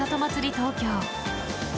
東京。